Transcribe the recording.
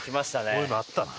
こういうのあったな。